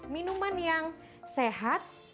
minuman yang sehat